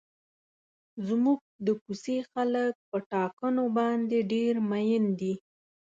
زموږ د کوڅې خلک په ټاکنو باندې ډېر مین دي.